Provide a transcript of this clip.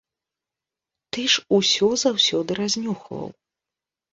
Ты ж усё заўсёды разнюхваў.